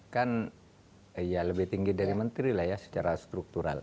kan ya lebih tinggi dari menteri lah ya secara struktural